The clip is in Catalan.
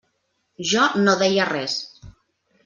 Jo no deia res.